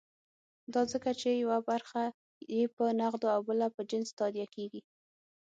دا ځکه چې یوه برخه یې په نغدو او بله په جنس تادیه کېږي.